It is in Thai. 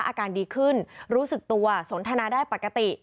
อาการดีขึ้นรู้สึกตัวสนทนาได้ปกติ